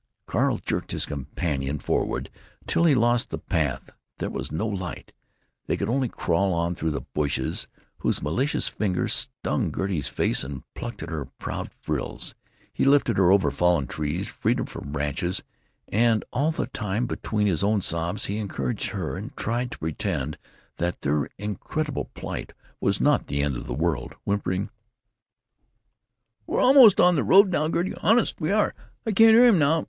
Carl jerked his companion forward till he lost the path. There was no light. They could only crawl on through the bushes, whose malicious fingers stung Gertie's face and plucked at her proud frills. He lifted her over fallen trees, freed her from branches, and all the time, between his own sobs, he encouraged her and tried to pretend that their incredible plight was not the end of the world, whimpering: "We're a'most on the road now, Gertie; honest we are. I can't hear him now.